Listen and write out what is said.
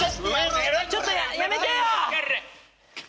ちょっとやめてよ！